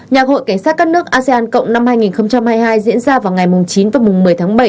nhạc hội cảnh sát các nước asean cộng năm hai nghìn hai mươi hai diễn ra vào ngày chín và một mươi tháng bảy